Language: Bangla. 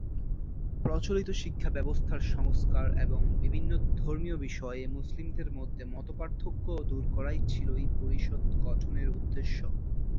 প্রচলিত শিক্ষাব্যবস্থার সংস্কার এবং বিভিন্ন ধর্মীয় বিষয়ে মুসলিমদের মধ্যে মতপার্থক্য দূর করাই ছিল এই পরিষদ গঠনের উদ্দেশ্য।